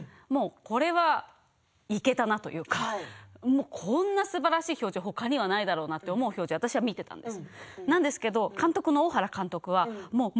これはいけたなというかこんなすばらしい表情他にはないだろうなという表情を私は見ていたんです。